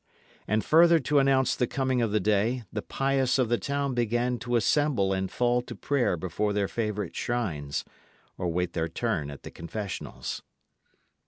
And further to announce the coming of the day, the pious of the town began to assemble and fall to prayer before their favourite shrines, or wait their turn at the confessionals.